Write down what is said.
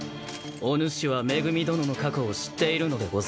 おぬしは恵殿の過去を知っているのでござるか？